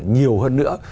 nhiều hơn nữa